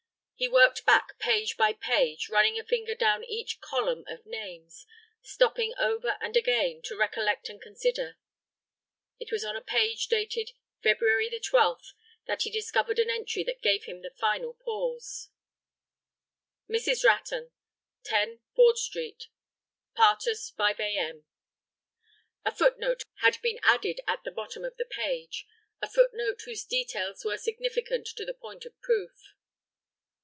He worked back page by page, running a finger down each column of names, stopping ever and again to recollect and reconsider. It was on a page dated "February 12th" that he discovered an entry that gave him the final pause. "Mrs. Rattan, 10 Ford Street. Partus, 5 A.M." A foot note had been added at the bottom of the page, a foot note whose details were significant to the point of proof.